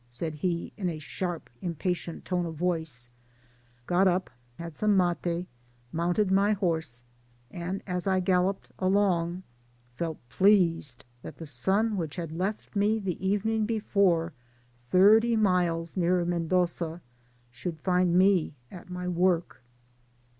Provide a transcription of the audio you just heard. *" said he, in a shat^), impa tient tone of voice — ^got up, had some mate, mounted my horse, and as I galloped along felt pleased that the sun which had left me the evening before thirty miles nearer Mendoza, should find me at my work.